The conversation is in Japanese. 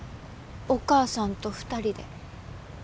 お母さんと２人で。